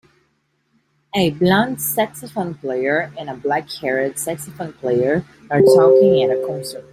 A blond saxophone player and a blackhaired saxophone player are talking at a concert.